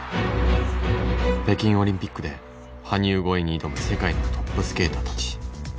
北京オリンピックで羽生超えに挑む世界のトップスケーターたち。